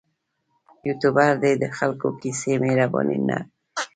یوټوبر دې د خلکو کیسې مهرباني نه بولي.